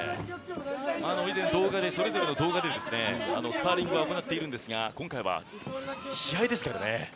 以前、それぞれの動画でスパーリングは行っているんですが今回は試合ですからね。